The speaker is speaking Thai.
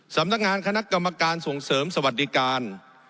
สำนักงานคณะกรรมการส่งเสริมสวัสดิการ